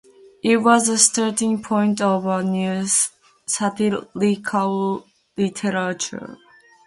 It was the starting-point of a new satirical literature.